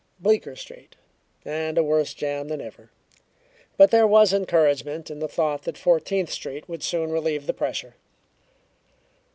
Bleecker Street, and a worse jam than ever, but there was encouragement in the thought that Fourteenth Street would soon relieve the pressure.